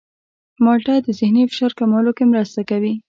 مالټه د ذهني فشار کمولو کې مرسته کوي.